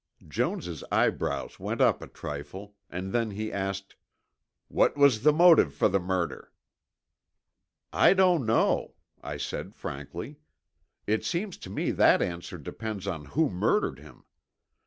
Jones' eyebrows went up a trifle, and then he asked, "What was the motive for the murder?" "I don't know," I said frankly. "It seems to me that answer depends on who murdered him.